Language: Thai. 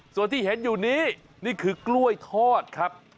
ส่วนที่เห็นอยู่นี้นี่คือกล้วยทอดครับ